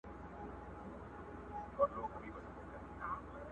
دا زړه نه دی په کوګل کي مي سور اور دی٫